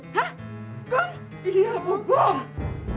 belinya ambil bom bu